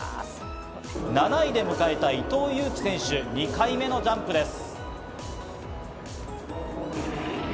７位で迎えた伊藤有希選手、２回目のジャンプです。